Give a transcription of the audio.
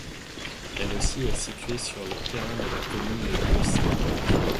Elle aussi est située sur le terrain de la commune de Lieusaint.